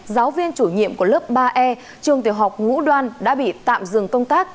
giáo viên chủ nhiệm của lớp ba e trường tiểu học ngũ đoan đã bị tạm dừng công tác